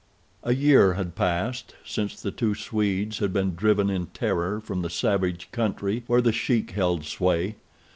A year had passed since the two Swedes had been driven in terror from the savage country where The Sheik held sway.